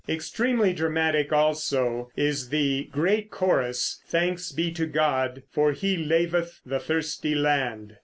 Extremely dramatic, also, is the great chorus "Thanks Be to God, for He Laveth the Thirsty Land."